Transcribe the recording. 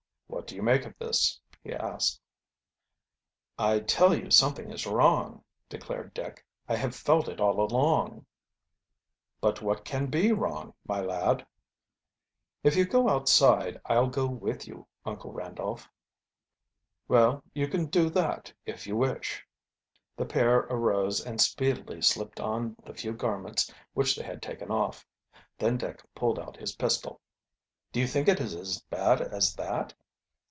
"What do you make of this?" he asked. "I tell you something is wrong," declared Dick. "I have felt it all along." "But what can be wrong, my lad?" "If you go outside I'll go with you, Uncle Randolph." "Well, you can do that if you wish." The pair arose and speedily slipped on the few garments which they had taken off. Then Dick pulled out his pistol. "Do you think it is as bad as that?"